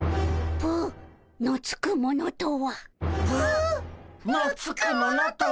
「ぷ」のつくものとは？